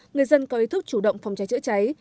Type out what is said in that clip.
người dân có ý thức chủ động phòng cháy chữa cháy